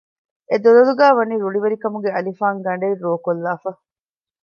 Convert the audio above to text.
އެދޮލޮލުގައި ވަނީ ރުޅިވެރިކަމުގެ އަލިފާން ގަނޑެއް ރޯކޮށްލާފަ